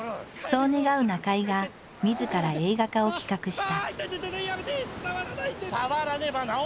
そう願う中井がみずから映画化を企画した。